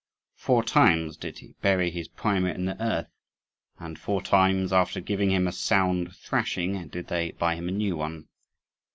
Four times did he bury his primer in the earth; and four times, after giving him a sound thrashing, did they buy him a new one.